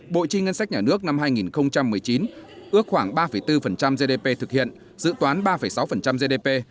bộ chi ngân sách nhà nước năm hai nghìn một mươi chín ước khoảng ba bốn gdp thực hiện dự toán ba sáu gdp